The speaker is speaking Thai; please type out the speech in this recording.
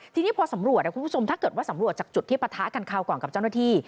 ทีนี้พอสำรวจคุณผู้ชมถ้าเกิดว่าสำรวจจากจุดที่ปะทะกันคราวก่อนกับเจ้าหน้าที่